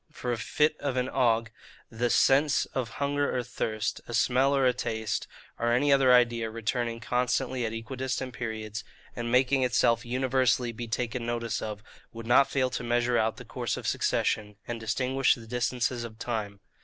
For a fit of an ague; the sense of hunger or thirst; a smell or a taste; or any other idea returning constantly at equidistant periods, and making itself universally be taken notice of, would not fail to measure out the course of succession, and distinguish the distances of time.